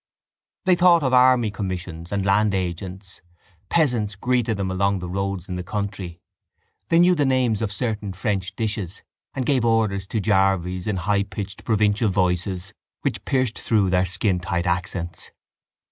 They thought of army commissions and land agents: peasants greeted them along the roads in the country; they knew the names of certain French dishes and gave orders to jarvies in highpitched provincial voices which pierced through their skintight accents.